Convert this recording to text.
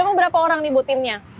oke ini berapa orang nih bu timnya